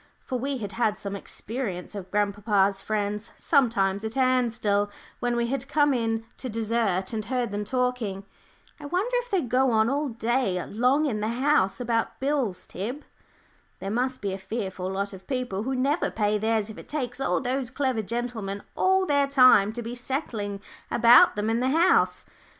For we had had some experience of grandpapa's friends sometimes at Ansdell, when we had come in to dessert and heard them talking. "I wonder if they go on all day long in the 'House' about bills, Tib? There must be a fearful lot of people who never pay theirs if it takes all those clever gentlemen all their time to be settling about them in the 'House.'"